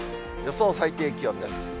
予想最低気温です。